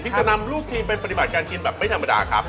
จะนำลูกทีมไปปฏิบัติการกินแบบไม่ธรรมดาครับ